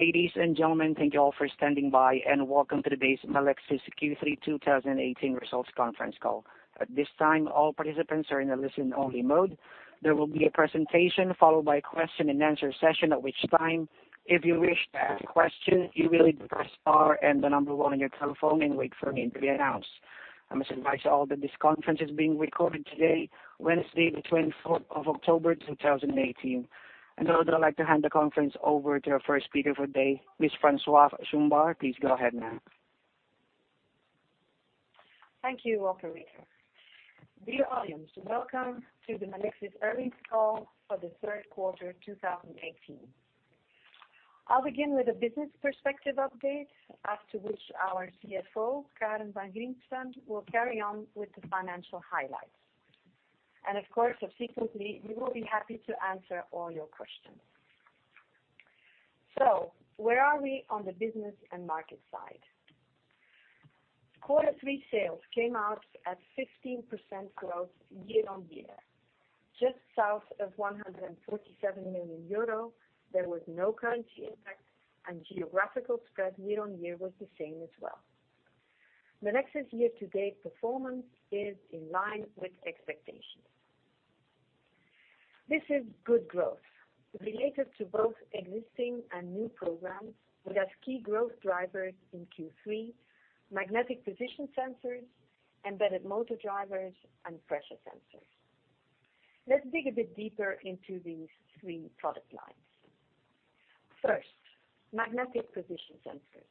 Ladies and gentlemen, thank you all for standing by, welcome to today's Melexis Q3 2018 results conference call. At this time, all participants are in a listen-only mode. There will be a presentation followed by a question and answer session, at which time, if you wish to ask a question, you will need to press star and the number one on your telephone and wait for your name to be announced. I must advise you all that this conference is being recorded today, Wednesday the 24th of October, 2018. With that, I'd like to hand the conference over to our first speaker for today, Ms. Françoise Chombar. Please go ahead, ma'am. Thank you, operator. Dear audience, welcome to the Melexis earnings call for the third quarter 2018. I'll begin with a business perspective update, after which our CFO, Karen Van Griensven, will carry on with the financial highlights. Of course, subsequently, we will be happy to answer all your questions. Where are we on the business and market side? Quarter three sales came out at 15% growth year-on-year, just south of 147 million euro. There was no currency impact, geographical spread year-on-year was the same as well. Melexis year-to-date performance is in line with expectations. This is good growth related to both existing and new programs. We have key growth drivers in Q3, Magnetic Position Sensors, Embedded Motor Drivers, and Pressure Sensors. Let's dig a bit deeper into these three product lines. First, Magnetic Position Sensors.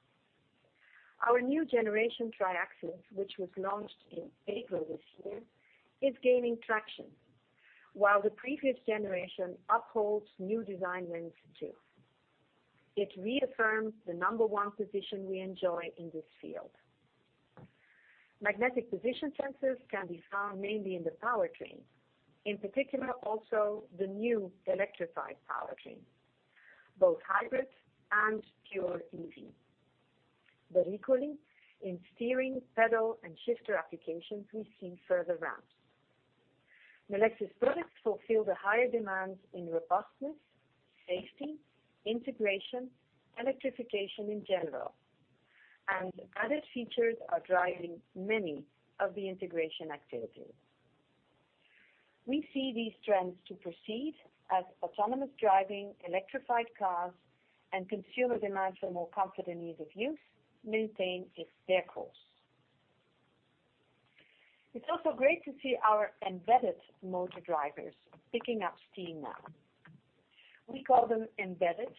Our new generation Triaxis, which was launched in April this year, is gaining traction while the previous generation upholds new design wins too. It reaffirms the number one position we enjoy in this field. Magnetic Position Sensors can be found mainly in the powertrain, in particular, also the new electrified powertrain, both hybrid and pure EV. Equally, in steering, pedal, and shifter applications, we see further ramps. Melexis products fulfill the higher demands in robustness, safety, integration, electrification in general, and added features are driving many of the integration activities. We see these trends to proceed as autonomous driving, electrified cars, and consumer demands for more comfort and ease of use maintain their course. It's also great to see our Embedded Motor Drivers picking up steam now. We call them embedded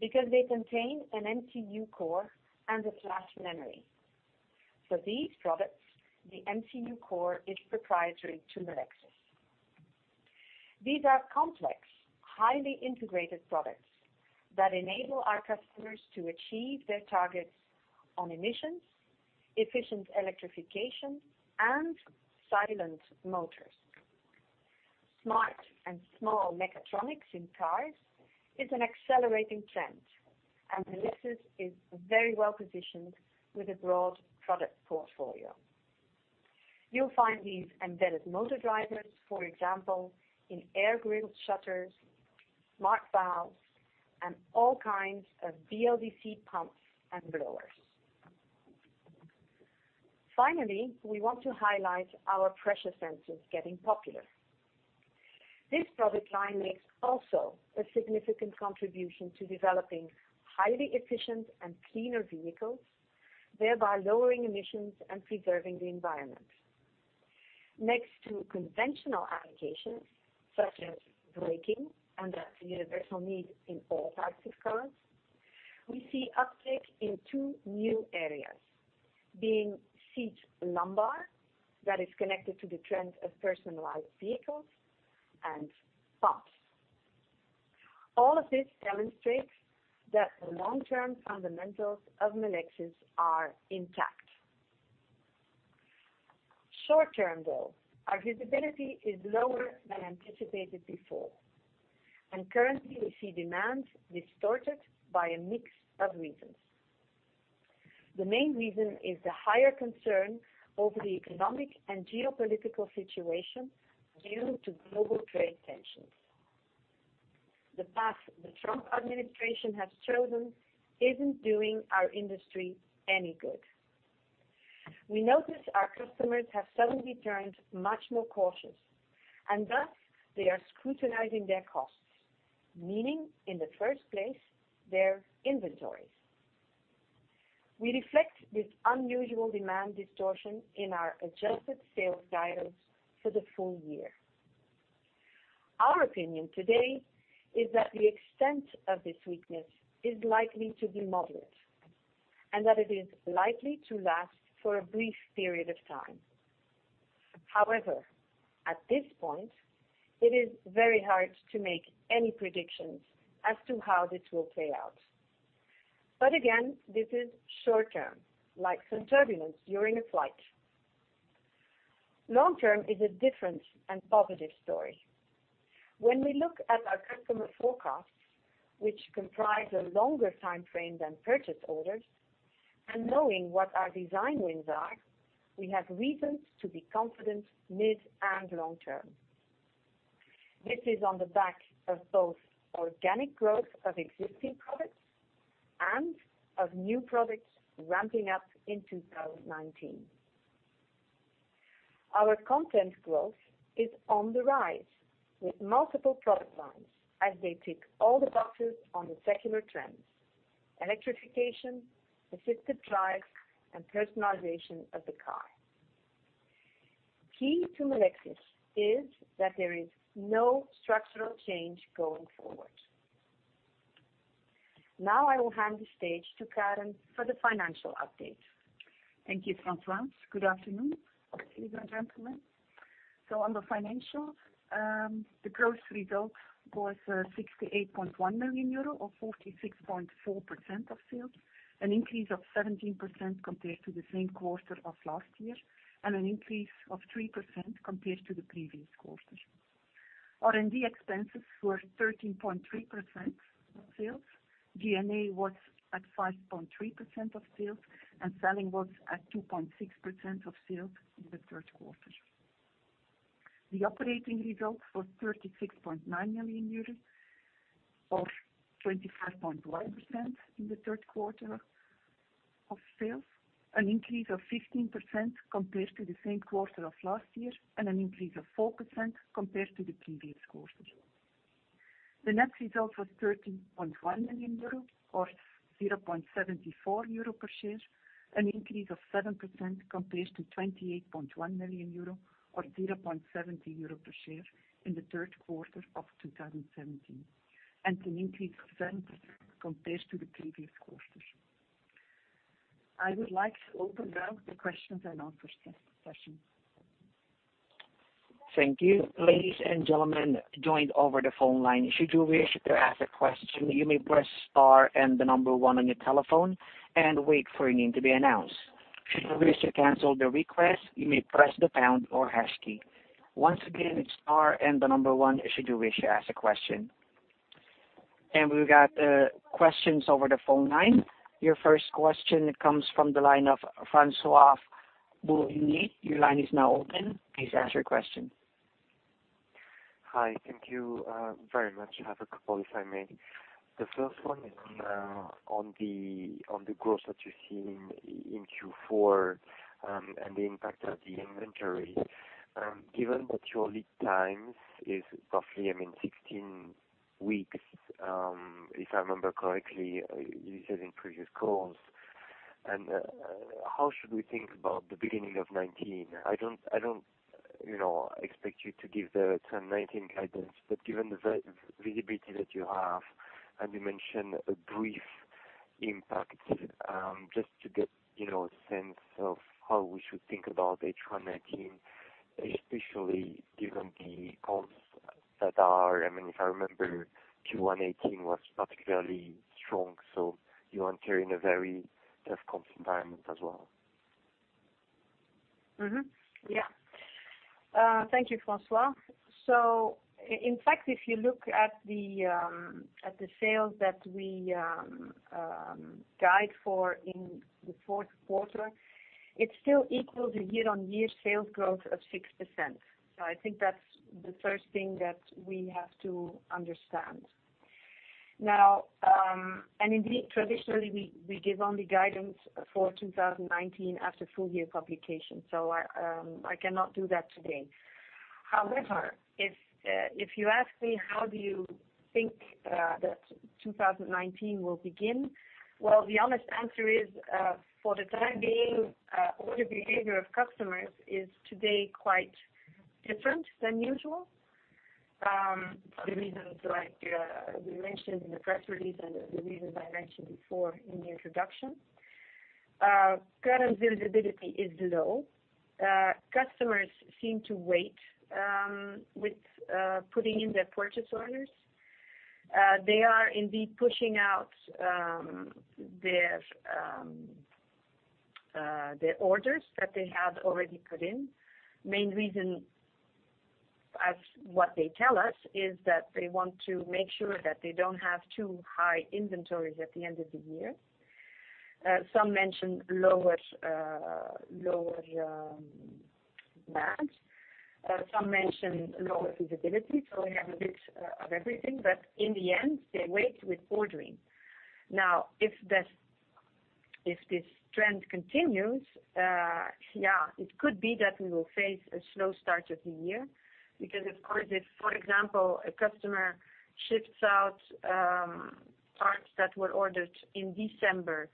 because they contain an MCU core and a flash memory. For these products, the MCU core is proprietary to Melexis. These are complex, highly integrated products that enable our customers to achieve their targets on emissions, efficient electrification, and silent motors. Smart and small mechatronics in cars is an accelerating trend, Melexis is very well-positioned with a broad product portfolio. You'll find these Embedded Motor Drivers, for example, in Air Grille Shutters, Smart Valves, and all kinds of BLDC pumps and blowers. Finally, we want to highlight our Pressure Sensors getting popular. This product line makes also a significant contribution to developing highly efficient and cleaner vehicles, thereby lowering emissions and preserving the environment. Next to conventional applications such as braking and that's a universal need in all types of cars, we see uptake in two new areas, being Seat Lumbar, that is connected to the trend of personalized vehicles, and pumps. All of this demonstrates that the long-term fundamentals of Melexis are intact. Short-term, though, our visibility is lower than anticipated before, and currently we see demand distorted by a mix of reasons. The main reason is the higher concern over the economic and geopolitical situation due to global trade tensions. The path the Trump administration has chosen isn't doing our industry any good. We notice our customers have suddenly turned much more cautious, and thus they are scrutinizing their costs, meaning in the first place, their inventories. We reflect this unusual demand distortion in our adjusted sales guidance for the full year. Our opinion today is that the extent of this weakness is likely to be moderate, and that it is likely to last for a brief period of time. However, at this point, it is very hard to make any predictions as to how this will play out. Again, this is short-term, like some turbulence during a flight. Long-term is a different and positive story. When we look at our customer forecasts, which comprise a longer timeframe than purchase orders, and knowing what our design wins are, we have reasons to be confident mid and long term. This is on the back of both organic growth of existing products and of new products ramping up in 2019. Our content growth is on the rise with multiple product lines as they tick all the boxes on the secular trends: electrification, assisted drive, and personalization of the car. Key to Melexis is that there is no structural change going forward. Now I will hand the stage to Karen for the financial update. Thank you, Françoise. Good afternoon, ladies and gentlemen. On the financial, the gross result was 68.1 million euro or 46.4% of sales, an increase of 17% compared to the same quarter of last year, and an increase of 3% compared to the previous quarter. R&D expenses were 13.3% of sales. G&A was at 5.3% of sales, and selling was at 2.6% of sales in the third quarter. The operating result was 36.9 million euros of 25.1% in the third quarter of sales, an increase of 15% compared to the same quarter of last year and an increase of 4% compared to the previous quarter. The net result was 13.1 million euros or 0.74 euro per share, an increase of 7% compared to 28.1 million euro or 0.70 euro per share in the third quarter of 2017, and an increase of 7% compared to the previous quarter. I would like to open now the questions and answer session. Thank you. Ladies and gentlemen joined over the phone line, should you wish to ask a question, you may press star and the number 1 on your telephone and wait for your name to be announced. Should you wish to cancel the request, you may press the pound or hash key. Once again, it is star and the number 1 should you wish to ask a question. We have got questions over the phone line. Your first question comes from the line of Francois-Xavier Bouvignies. Your line is now open. Please ask your question. Hi. Thank you very much. I have a couple if I may. The first one is on the growth that you are seeing in Q4 and the impact of the inventory. Given that your lead times is roughly 16 weeks, if I remember correctly, you said in previous calls. How should we think about the beginning of 2019? I do not expect you to give the 2019 guidance, but given the visibility that you have, you mentioned a brief impact, just to get a sense of how we should think about H1 2019, especially given the comps that are if I remember Q1 2018 was particularly strong, you enter in a very tough comp environment as well. Mm-hmm. Yeah. Thank you, Françoise. In fact, if you look at the sales that we guide for in the fourth quarter, it still equals a year-on-year sales growth of 6%. I think that is the first thing that we have to understand. Indeed, traditionally, we give only guidance for 2019 after full year publication. I cannot do that today. However, if you ask me how do you think that 2019 will begin? The honest answer is, for the time being, order behavior of customers is today quite different than usual. For the reasons like we mentioned in the press release and the reasons I mentioned before in the introduction. Current visibility is low. Customers seem to wait with putting in their purchase orders. They are indeed pushing out their orders that they had already put in. Main reason as what they tell us is that they want to make sure that they do not have too high inventories at the end of the year. Some mentioned lower demand. Some mentioned lower visibility. We have a bit of everything, but in the end, they wait with ordering. If this trend continues, it could be that we will face a slow start of the year, because, of course, if, for example, a customer ships out parts that were ordered in December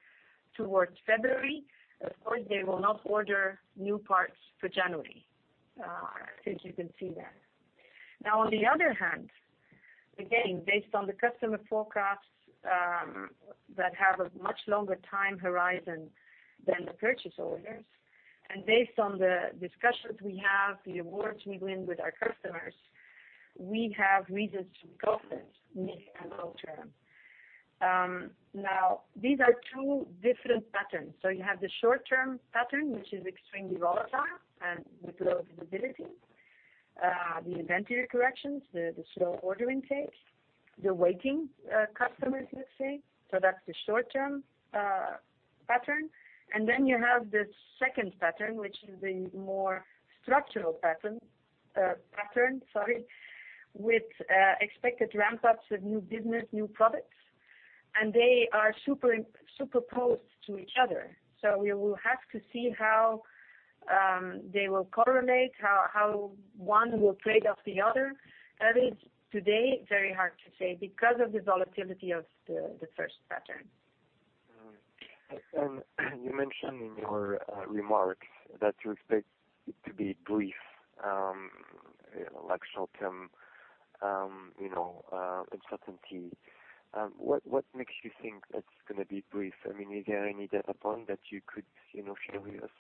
towards February, of course, they will not order new parts for January. I think you can see that. On the other hand, again, based on the customer forecasts that have a much longer time horizon than the purchase orders, based on the discussions we have, the awards we win with our customers, we have reasons to be confident mid and long term. These are two different patterns. You have the short-term pattern, which is extremely volatile and with low visibility. The inventory corrections, the slow order intake. The waiting customers, let's say. That's the short-term pattern. You have the second pattern, which is a more structural pattern, with expected ramp-ups of new business, new products. They are superposed to each other. We will have to see how they will correlate, how one will trade off the other. That is today, very hard to say because of the volatility of the first pattern. You mentioned in your remarks that you expect it to be brief, like short-term uncertainty. What makes you think that's going to be brief? Is there any data point that you could share with us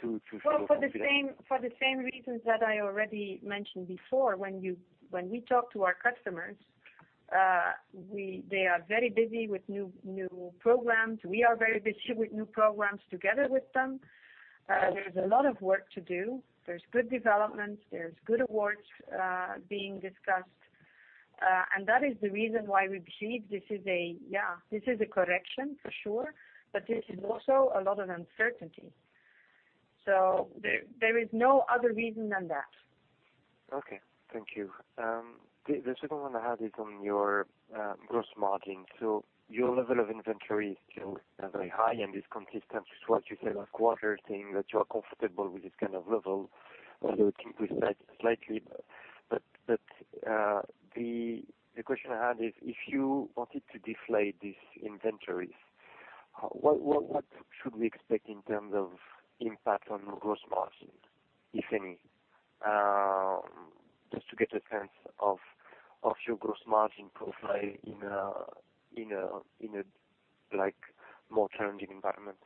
to feel confident? For the same reasons that I already mentioned before. When we talk to our customers, they are very busy with new programs. We are very busy with new programs together with them. There's a lot of work to do. There's good developments, there's good awards being discussed. That is the reason why we believe this is a correction for sure, but this is also a lot of uncertainty. There is no other reason than that. Okay. Thank you. The second one I had is on your gross margin. Your level of inventory is still very high and is consistent with what you said last quarter, saying that you are comfortable with this kind of level, although it decreased slightly. The question I had is, if you wanted to deflate these inventories, what should we expect in terms of impact on gross margin, if any? Just to get a sense of your gross margin profile in a more challenging environment.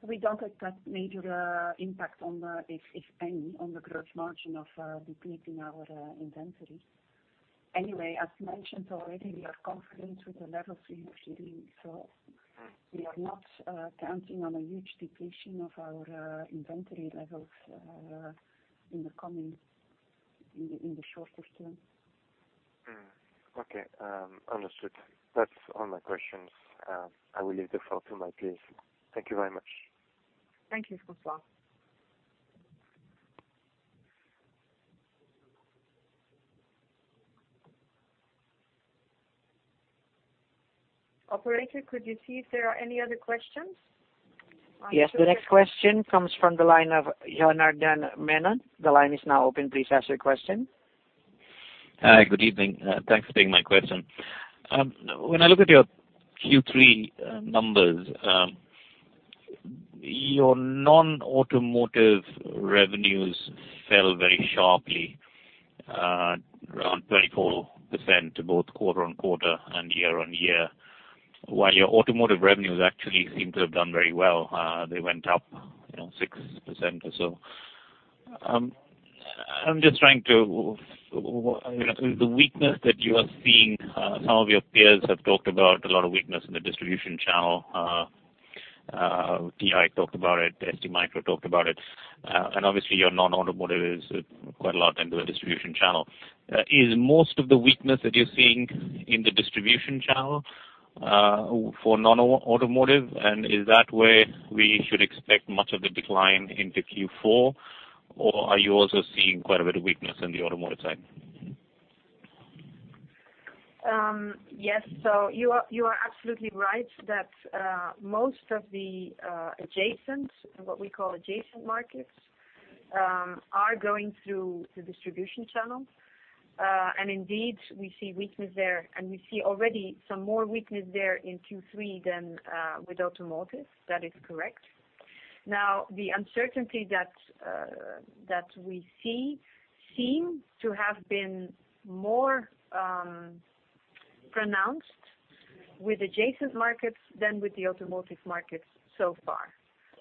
We don't expect major impact, if any, on the gross margin of depleting our inventory. As mentioned already, we are confident with the levels we are seeing. We are not counting on a huge depletion of our inventory levels in the shortest term. Understood. That's all my questions. I will leave the floor to my peers. Thank you very much. Thank you, Francois. Operator, could you see if there are any other questions? The next question comes from the line of Janardan Menon. The line is now open. Please ask your question. Hi. Good evening. Thanks for taking my question. When I look at your Q3 numbers, your non-automotive revenues fell very sharply, around 24% both quarter-over-quarter and year-over-year. While your automotive revenues actually seem to have done very well. They went up 6% or so. The weakness that you are seeing, some of your peers have talked about a lot of weakness in the distribution channel. TI talked about it, STMicro talked about it, and obviously your non-automotive is quite a lot into the distribution channel. Is most of the weakness that you're seeing in the distribution channel for non-automotive, and is that where we should expect much of the decline into Q4? Or are you also seeing quite a bit of weakness in the automotive side? Yes. You are absolutely right that most of the adjacent, and what we call adjacent markets, are going through the distribution channel. Indeed, we see weakness there, and we see already some more weakness there in Q3 than with automotive. That is correct. Now, the uncertainty that we see seem to have been more pronounced with adjacent markets than with the automotive markets so far.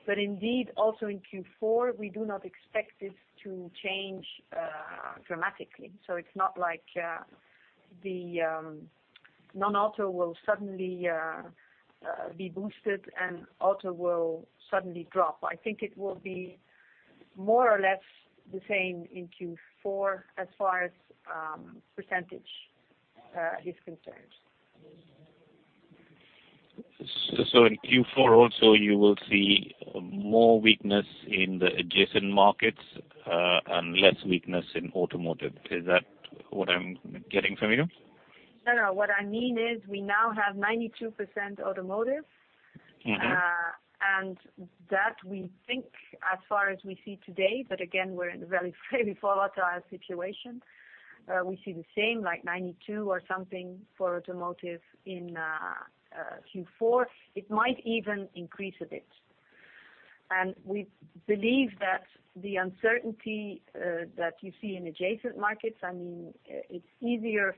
Indeed, also in Q4, we do not expect this to change dramatically. It's not like the non-auto will suddenly be boosted and auto will suddenly drop. I think it will be more or less the same in Q4 as far as percentage is concerned. In Q4 also, you will see more weakness in the adjacent markets, and less weakness in automotive. Is that what I'm getting from you? No, what I mean is we now have 92% automotive. That we think as far as we see today, again, we're in a very, very volatile situation. We see the same, like 92 or something for automotive in Q4. It might even increase a bit. We believe that the uncertainty that you see in adjacent markets, it's easier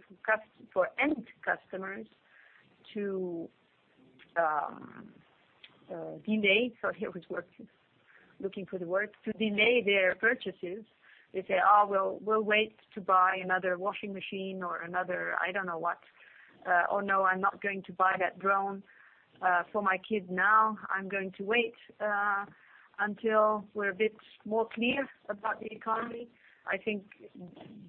for end customers to delay, sorry, looking for the word. To delay their purchases. They say, "Oh, we'll wait to buy another washing machine or another," I don't know what Oh no, I'm not going to buy that drone for my kid now. I'm going to wait until we're a bit more clear about the economy." I think,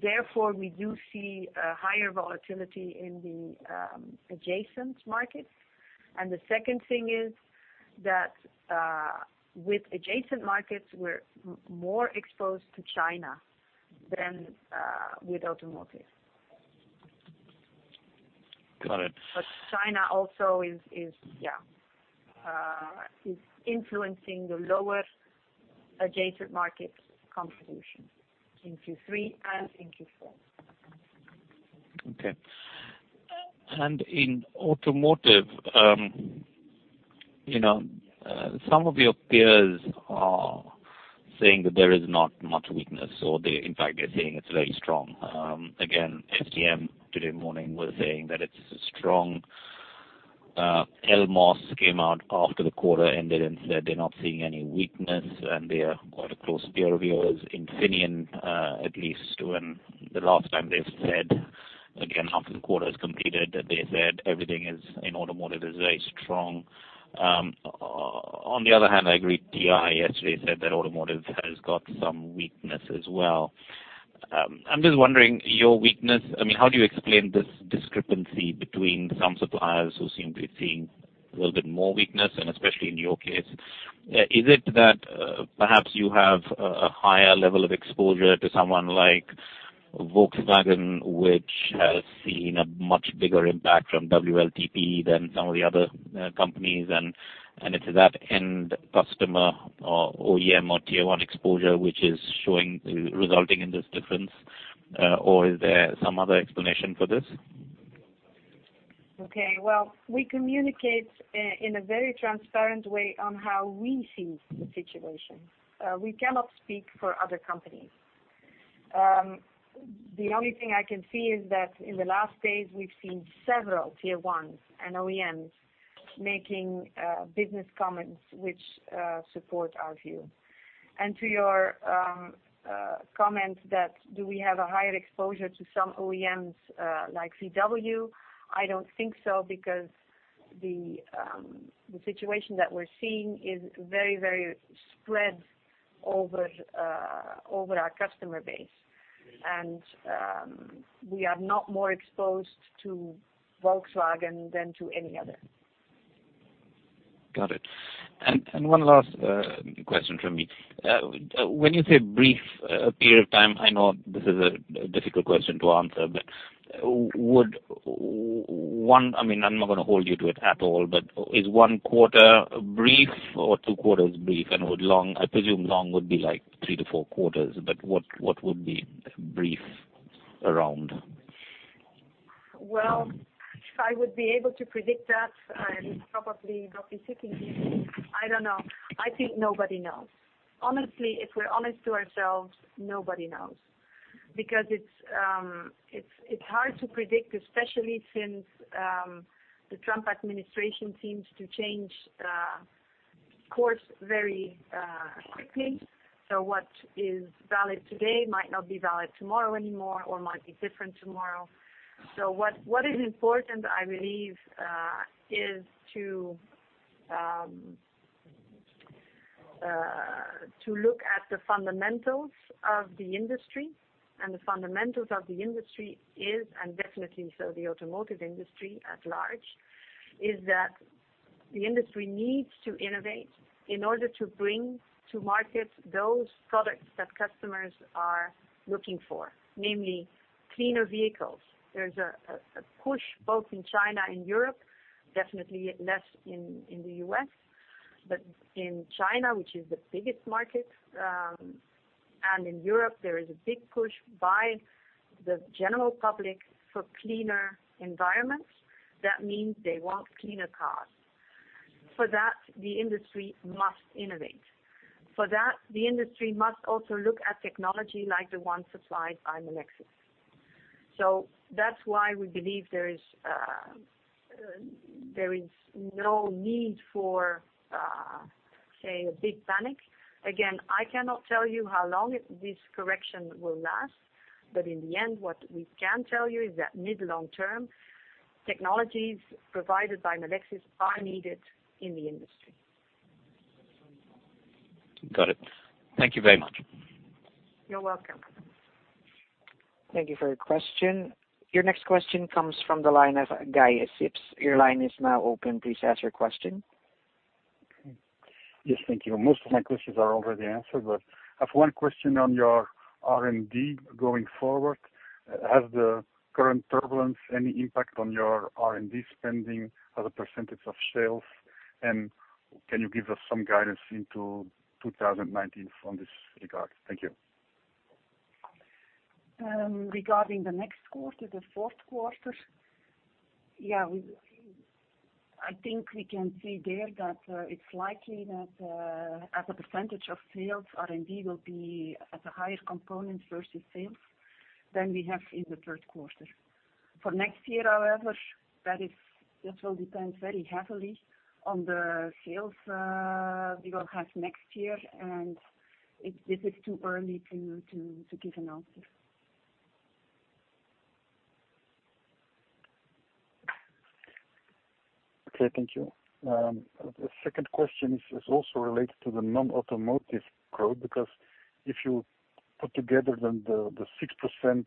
therefore, we do see a higher volatility in the adjacent markets. The second thing is that with adjacent markets, we're more exposed to China than with automotive. Got it. China also is influencing the lower adjacent market contribution in Q3 and in Q4. Okay. In automotive, some of your peers are saying that there is not much weakness, or in fact, they're saying it's very strong. Again, STM today morning was saying that it's strong. Elmos came out after the quarter ended and said they're not seeing any weakness, and they are quite a close peer of yours. Infineon, at least when the last time they've said, again, after the quarter is completed, that they said everything in automotive is very strong. On the other hand, I agree, TI yesterday said that automotive has got some weakness as well. I'm just wondering your weakness. How do you explain this discrepancy between some suppliers who seem to be seeing a little bit more weakness, and especially in your case? Is it that perhaps you have a higher level of exposure to someone like Volkswagen, which has seen a much bigger impact from WLTP than some of the other companies, and it's that end customer or OEM or Tier 1 exposure, which is resulting in this difference? Is there some other explanation for this? Okay. Well, we communicate in a very transparent way on how we see the situation. We cannot speak for other companies. The only thing I can see is that in the last days, we've seen several Tier 1s and OEMs making business comments which support our view. To your comment that do we have a higher exposure to some OEMs, like VW? I don't think so because the situation that we're seeing is very spread over our customer base, and we are not more exposed to Volkswagen than to any other. Got it. One last question from me. When you say brief period of time, I know this is a difficult question to answer, but I'm not going to hold you to it at all, but is one quarter brief or two quarters brief? I presume long would be like three to four quarters, but what would be brief around? If I would be able to predict that, I would probably not be sitting here. I don't know. I think nobody knows. Honestly, if we're honest to ourselves, nobody knows because it's hard to predict, especially since the Trump administration seems to change course very quickly. What is valid today might not be valid tomorrow anymore or might be different tomorrow. What is important, I believe, is to look at the fundamentals of the industry, and the fundamentals of the industry is, and definitely so the automotive industry at large, is that the industry needs to innovate in order to bring to market those products that customers are looking for, namely cleaner vehicles. There's a push both in China and Europe, definitely less in the U.S., but in China, which is the biggest market, and in Europe, there is a big push by the general public for cleaner environments. That means they want cleaner cars. For that, the industry must innovate. For that, the industry must also look at technology like the one supplied by Melexis. That's why we believe there is no need for, say, a big panic. Again, I cannot tell you how long this correction will last, but in the end, what we can tell you is that mid-long term, technologies provided by Melexis are needed in the industry. Got it. Thank you very much. You're welcome. Thank you for your question. Your next question comes from the line of Guy Sips. Your line is now open. Please ask your question. Yes, thank you. Most of my questions are already answered, but I have one question on your R&D going forward. Has the current turbulence any impact on your R&D spending as a percentage of sales? Can you give us some guidance into 2019 on this regard? Thank you. Regarding the next quarter, the fourth quarter, I think we can say there that it's likely that as a percentage of sales, R&D will be at a higher component versus sales than we have in the third quarter. For next year, however, that will depend very heavily on the sales we will have next year and It is too early to give an answer. Okay, thank you. The second question is also related to the non-automotive growth, because if you put together then the 6%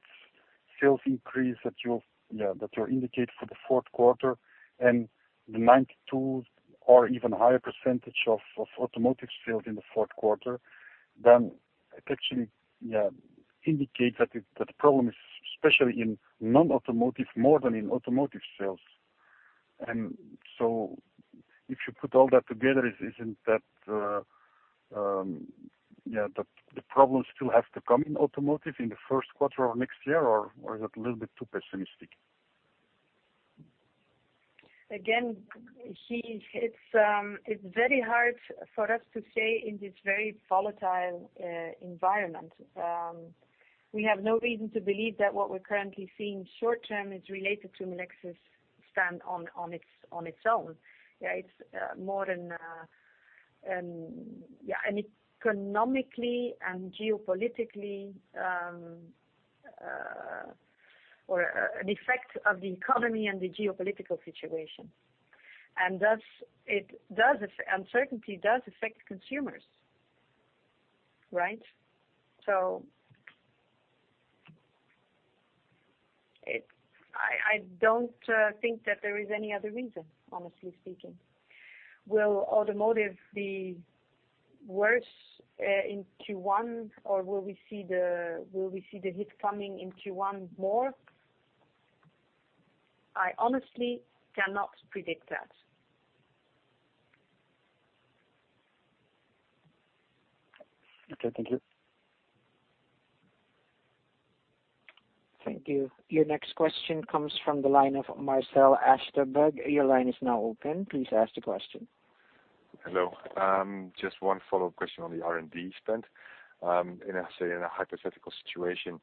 sales increase that you indicate for the fourth quarter and the 92% or even higher percentage of automotive sales in the fourth quarter, it actually indicates that the problem is especially in non-automotive more than in automotive sales. If you put all that together, isn't that the problem still has to come in automotive in the first quarter of next year? Is it a little bit too pessimistic? Again, it's very hard for us to say in this very volatile environment. We have no reason to believe that what we're currently seeing short term is related to Melexis stand on its own. It's more an economically and geopolitically, or an effect of the economy and the geopolitical situation. Thus uncertainty does affect consumers, right? I don't think that there is any other reason, honestly speaking. Will automotive be worse in Q1 or will we see the hit coming in Q1 more? I honestly cannot predict that. Okay. Thank you. Thank you. Your next question comes from the line of Marc Hesselink. Your line is now open. Please ask the question. Hello. Just one follow-up question on the R&D spend. In a hypothetical situation,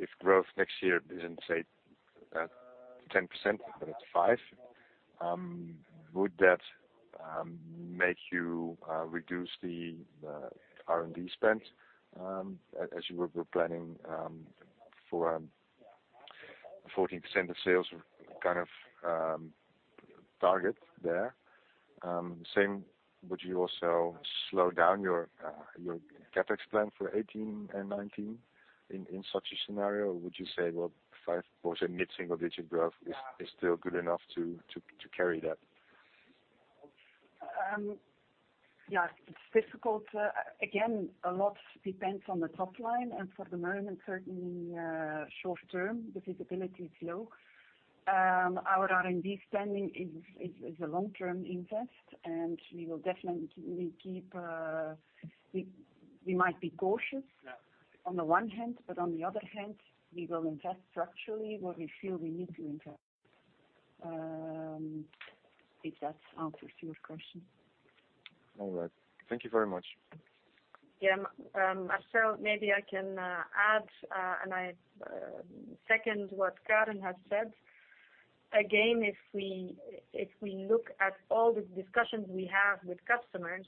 if growth next year isn't, say, 10%, but it's 5%, would that make you reduce the R&D spend as you were planning for a 14% of sales kind of target there? Same, would you also slow down your CapEx plan for 2018 and 2019 in such a scenario, or would you say, well, 5% mid-single digit growth is still good enough to carry that? It's difficult. A lot depends on the top line, and for the moment, certainly short term, the visibility is low. Our R&D spending is a long-term invest, and we will definitely We might be cautious on the one hand, but on the other hand, we will invest structurally where we feel we need to invest. If that answers your question. All right. Thank you very much. Marc, maybe I can add, and I second what Karen has said. If we look at all the discussions we have with customers,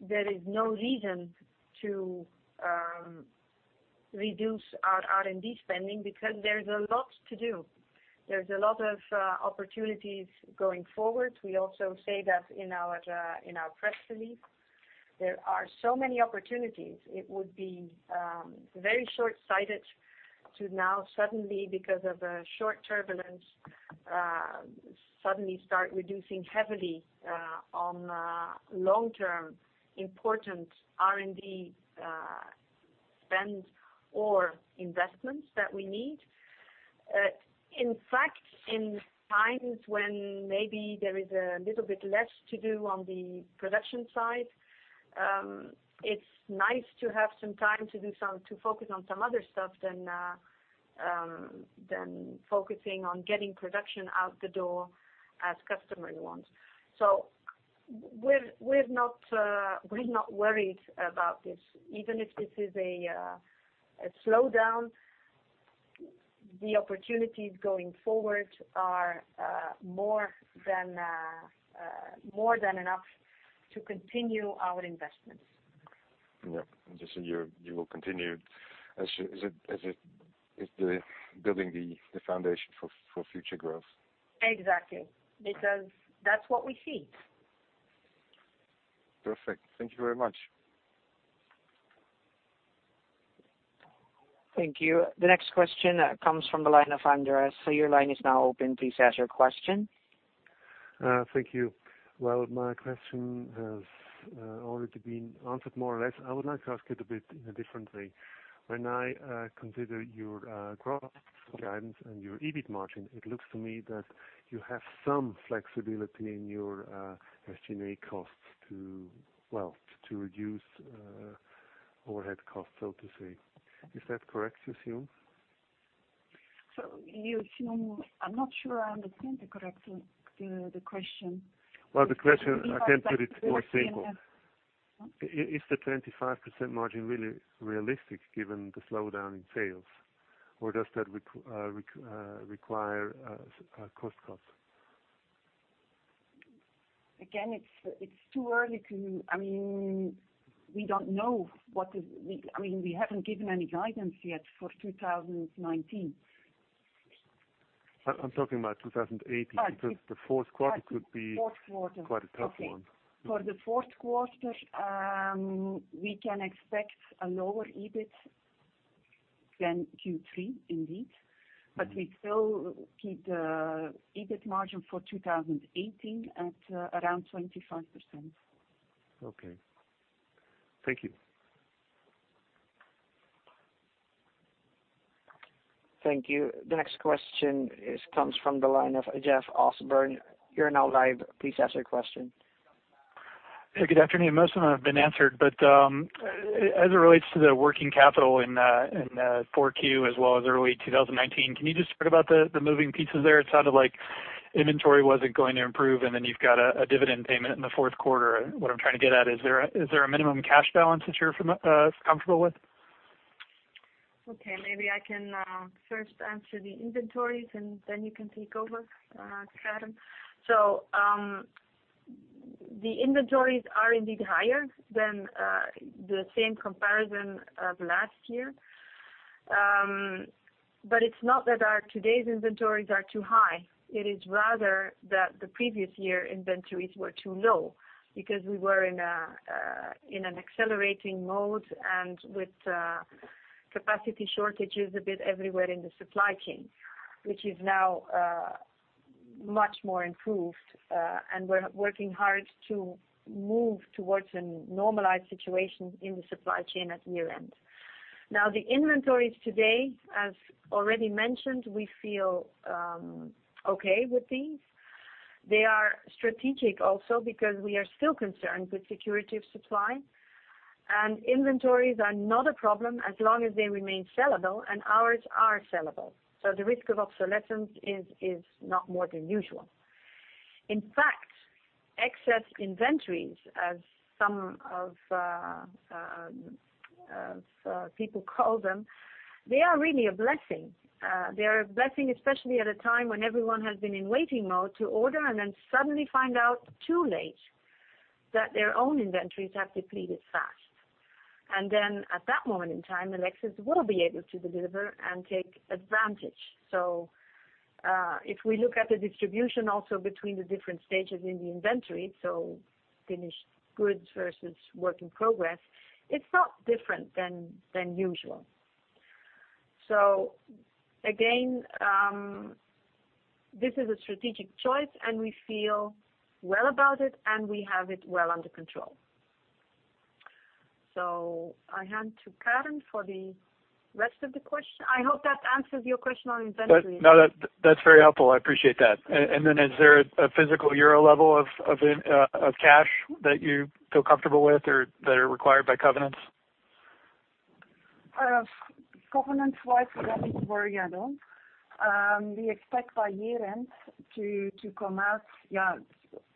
there is no reason to reduce our R&D spending because there's a lot to do. There's a lot of opportunities going forward. We also say that in our press release. There are so many opportunities. It would be very short-sighted to now suddenly, because of a short turbulence, suddenly start reducing heavily on long-term important R&D spend or investments that we need. In fact, in times when maybe there is a little bit less to do on the production side, it's nice to have some time to focus on some other stuff than focusing on getting production out the door as the customer wants. We're not worried about this. Even if this is a slowdown, the opportunities going forward are more than enough to continue our investments. Yeah. Just you will continue as if building the foundation for future growth. Exactly, because that's what we see. Perfect. Thank you very much. Thank you. The next question comes from the line of Andreas. Your line is now open. Please ask your question. Thank you. Well, my question has already been answered more or less. I would like to ask it a bit in a different way. When I consider your growth guidance and your EBIT margin, it looks to me that you have some flexibility in your SG&A costs to reduce overhead costs, so to say. Is that correct to assume? You assume I'm not sure I understand the question. Well, the question, I can put it more simple. If I could just see in a. Is the 25% margin really realistic given the slowdown in sales, or does that require a cost cut? Again, it's too early. We haven't given any guidance yet for 2019. I'm talking about 2018 because the fourth quarter could be. Fourth quarter. Quite a tough one. For the fourth quarter, we can expect a lower EBIT than Q3, indeed. We still keep the EBIT margin for 2018 at around 25%. Okay. Thank you. Thank you. The next question comes from the line of Jeff Osborne. You're now live. Please ask your question. Hey, good afternoon. As it relates to the working capital in 4Q as well as early 2019, can you just talk about the moving pieces there? It sounded like inventory wasn't going to improve. You've got a dividend payment in the fourth quarter. What I'm trying to get at, is there a minimum cash balance that you're comfortable with? Okay. Maybe I can first answer the inventories. You can take over, Karen. The inventories are indeed higher than the same comparison of last year. It's not that today's inventories are too high. It is rather that the previous year inventories were too low because we were in an accelerating mode and with capacity shortages a bit everywhere in the supply chain. Which is now much more improved. We're working hard to move towards a normalized situation in the supply chain at year-end. The inventories today, as already mentioned, we feel okay with these. They are strategic also because we are still concerned with security of supply. Inventories are not a problem as long as they remain sellable, and ours are sellable. The risk of obsolescence is not more than usual. In fact, excess inventories, as some people call them, they are really a blessing. They are a blessing, especially at a time when everyone has been in waiting mode to order and suddenly find out too late that their own inventories have depleted fast. At that moment in time, Melexis will be able to deliver and take advantage. If we look at the distribution also between the different stages in the inventory, so finished goods versus work in progress, it's not different than usual. Again, this is a strategic choice, and we feel well about it, and we have it well under control. I hand to Karen for the rest of the question. I hope that answers your question on inventory. No, that's very helpful. I appreciate that. Is there a physical euro level of cash that you feel comfortable with or that are required by covenants? Covenants-wise, we don't need to worry at all. We expect by year-end to come out, yeah,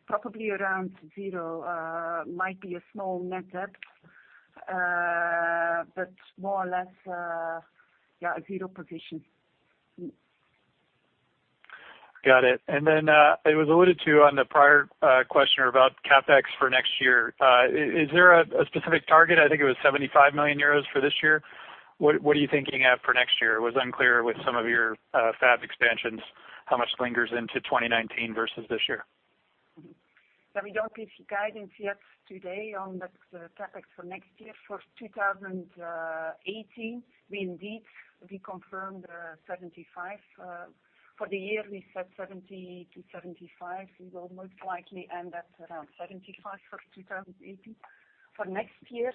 probably around zero. Might be a small net debt. More or less, yeah, a zero position. Got it. It was alluded to on the prior question about CapEx for next year. Is there a specific target? I think it was 75 million euros for this year. What are you thinking of for next year? It was unclear with some of your fab expansions, how much lingers into 2019 versus this year. We don't give guidance yet today on that CapEx for next year. For 2018, we indeed reconfirmed the 75 million. For the year, we said 70 million to 75 million. We will most likely end at around 75 million for 2018. For next year,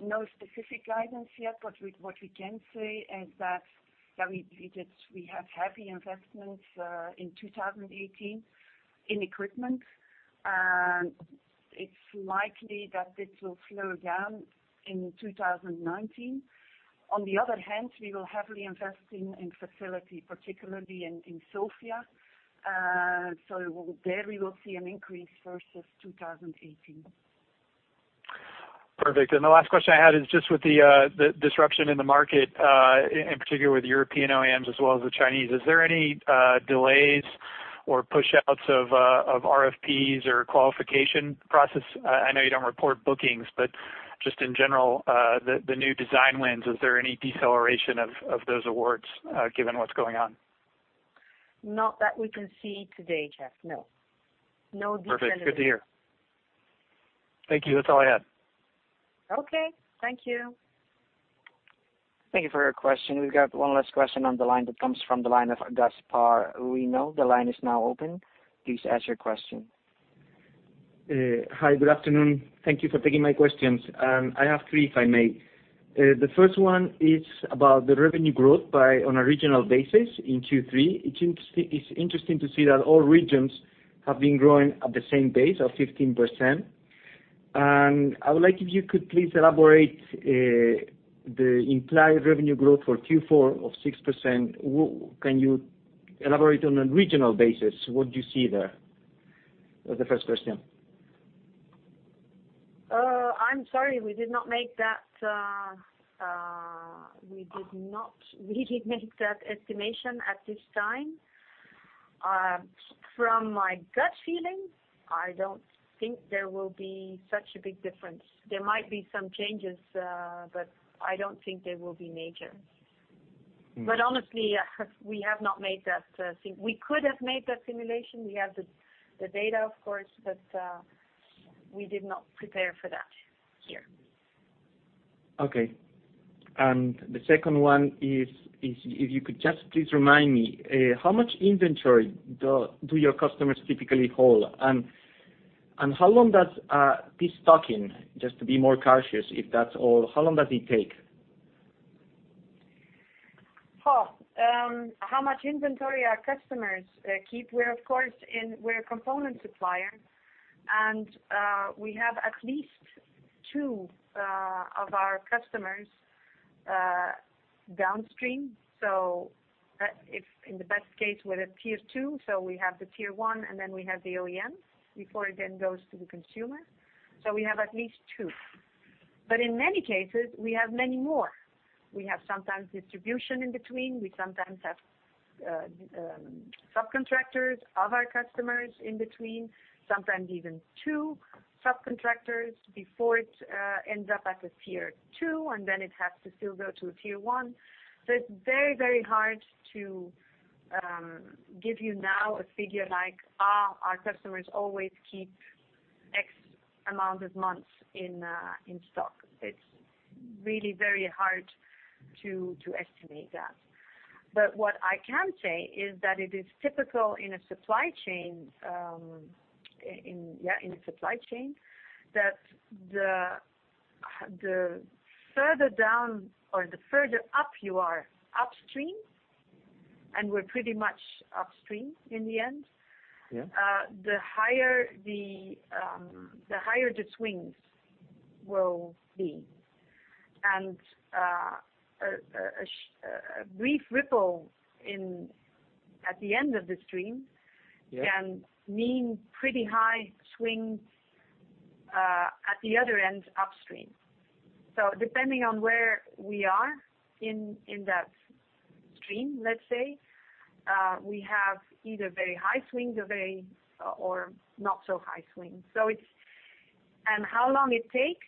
no specific guidance yet, but what we can say is that we have heavy investments in 2018 in equipment, and it's likely that this will slow down in 2019. On the other hand, we will heavily invest in facility, particularly in Sofia. There we will see an increase versus 2018. The last question I had is just with the disruption in the market, in particular with European OEMs as well as the Chinese, is there any delays or push outs of RFPs or qualification process? I know you don't report bookings, but just in general, the new design wins, is there any deceleration of those awards given what's going on? Not that we can see today, Jeff, no. No deceleration. Perfect. Good to hear. Thank you. That's all I had. Okay. Thank you. Thank you for your question. We have got one last question on the line that comes from the line of Gaspar Reno. The line is now open. Please ask your question. Hi. Good afternoon. Thank you for taking my questions. I have three, if I may. The first one is about the revenue growth on a regional basis in Q3. It is interesting to see that all regions have been growing at the same pace of 15%. I would like if you could please elaborate the implied revenue growth for Q4 of 6%. Can you elaborate on a regional basis, what you see there? That is the first question. I am sorry, we did not really make that estimation at this time. From my gut feeling, I do not think there will be such a big difference. There might be some changes, but I do not think they will be major. Honestly, we have not made that. We could have made that simulation. We have the data, of course, but we did not prepare for that here. Okay. The second one is, if you could just please remind me, how much inventory do your customers typically hold? How long does destocking, just to be more cautious if that's all, how long does it take? How much inventory our customers keep? We're a component supplier. We have at least two of our customers downstream. If in the best case, we're the tier 2. We have the Tier 1, and then we have the OEM before it then goes to the consumer. We have at least two. In many cases, we have many more. We have sometimes distribution in between. We sometimes have subcontractors of our customers in between, sometimes even two subcontractors before it ends up at the tier 2, and then it has to still go to a Tier 1. It's very hard to give you now a figure like, "Our customers always keep x amount of months in stock." It's really very hard to estimate that. What I can say is that it is typical in a supply chain that the further up you are upstream, and we're pretty much upstream in the end- Yeah the higher the swings will be. A brief ripple at the end of the stream- Yeah can mean pretty high swings at the other end, upstream. Depending on where we are in that stream, let's say, we have either very high swings or not so high swings. How long it takes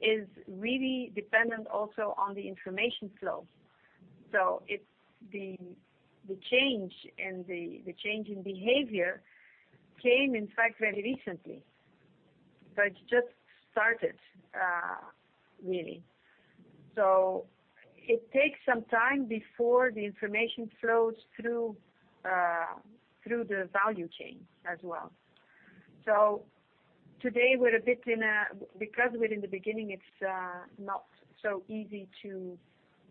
is really dependent also on the information flow. The change in behavior came, in fact, very recently. It's just started, really. It takes some time before the information flows through the value chain as well. Today, because we're in the beginning, it's not so easy to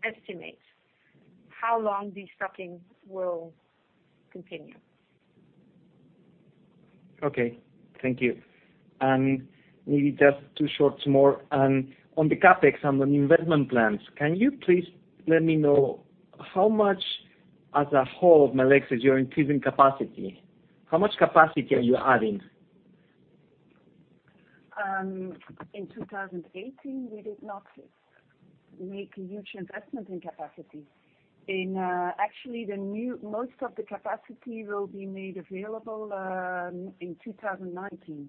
estimate how long destocking will continue. Okay. Thank you. Maybe just two shorts more. On the CapEx, on the investment plans, can you please let me know how much as a whole of Melexis you're increasing capacity? How much capacity are you adding? In 2018, we did not make a huge investment in capacity. Actually, most of the capacity will be made available in 2019.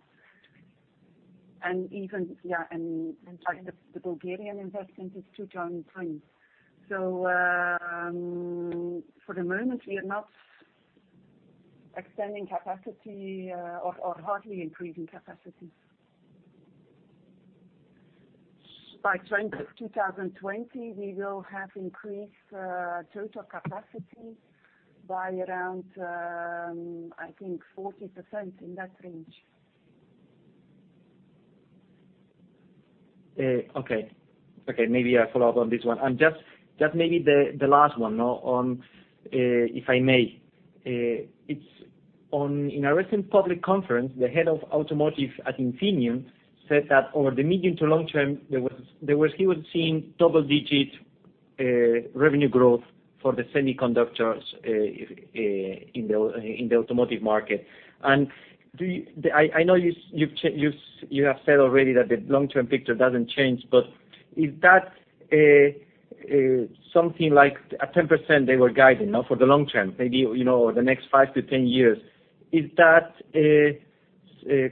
The Bulgarian investment is 2020. For the moment, we are not extending capacity or hardly increasing capacity. By 2020, we will have increased total capacity by around, I think, 40%, in that range. Okay. Maybe I follow up on this one. Just maybe the last one, if I may. In a recent public conference, the head of automotive at Infineon said that over the medium to long term, he was seeing double-digit revenue growth for the semiconductors in the automotive market. I know you have said already that the long-term picture doesn't change, but is that something like a 10% they were guiding now for the long term, maybe the next five to 10 years. Is that a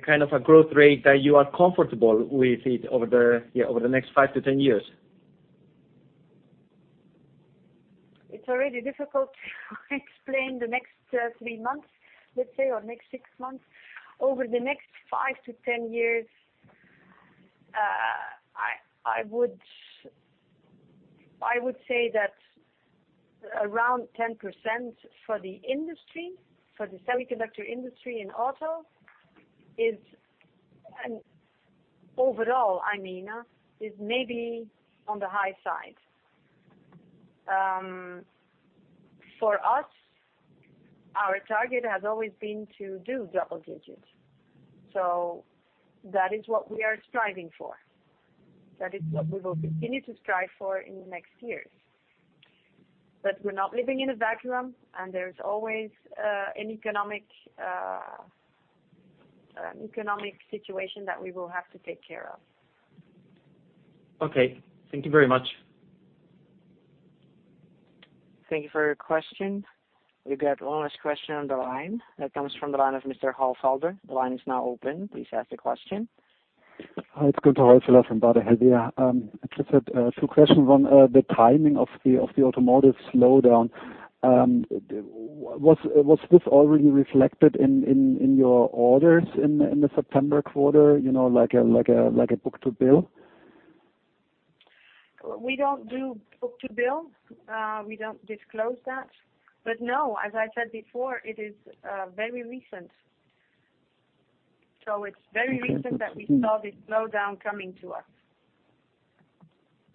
kind of a growth rate that you are comfortable with it over the next five to 10 years? It's already difficult to explain the next three months, let's say, or next six months. Over the next 5-10 years, I would say that around 10% for the industry, for the semiconductor industry in auto, overall, is maybe on the high side. For us, our target has always been to do double digits. That is what we are striving for. That is what we will continue to strive for in the next years. We're not living in a vacuum, and there's always an economic situation that we will have to take care of. Okay. Thank you very much. Thank you for your question. We've got one last question on the line that comes from the line of Mr. Holfelder. The line is now open. Please ask the question. Hi, it's Gunther Holfelder from Baader Helvea. I just had two questions on the timing of the automotive slowdown. Was this already reflected in your orders in the September quarter, like a book-to-bill? We don't do book-to-bill. We don't disclose that. No, as I said before, it is very recent. It's very recent that we saw this slowdown coming to us.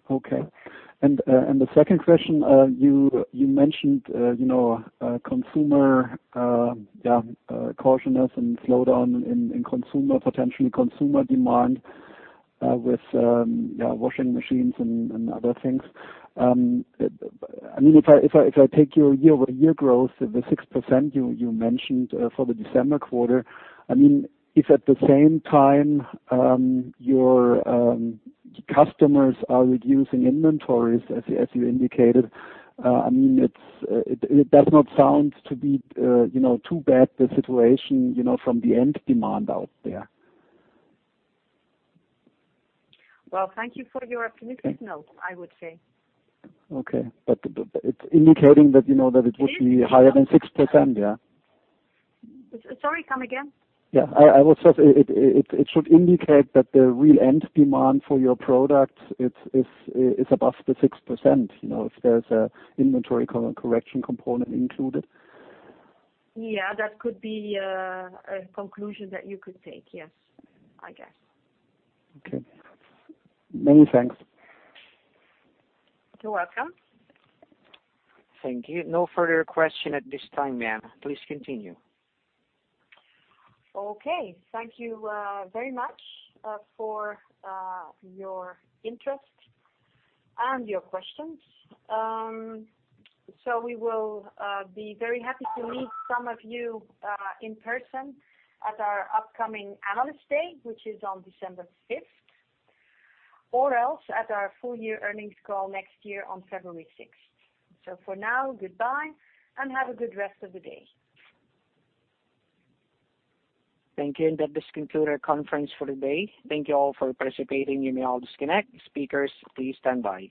Okay. The second question, you mentioned consumer cautiousness and slowdown in potential consumer demand with washing machines and other things. If I take your year-over-year growth, the 6% you mentioned for the December quarter, if at the same time your customers are reducing inventories, as you indicated, it does not sound to be too bad the situation from the end demand out there. Well, thank you for your optimistic note, I would say. Okay. It's indicating that it would be higher than 6%, yeah? Sorry, come again. Yeah. I would say it should indicate that the real end demand for your product is above the 6%, if there is an inventory correction component included. Yeah, that could be a conclusion that you could take. Yes, I guess. Okay. Many thanks. You're welcome. Thank you. No further question at this time, Diana. Please continue. Thank you very much for your interest and your questions. We will be very happy to meet some of you in person at our upcoming Analyst Day, which is on December 5th, or else at our full year earnings call next year on February 6th. For now, goodbye, and have a good rest of the day. Thank you. That does conclude our conference for the day. Thank you all for participating. You may all disconnect. Speakers, please stand by.